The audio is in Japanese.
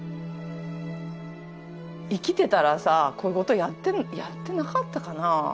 生きてたらさこういうことやってなかったかな。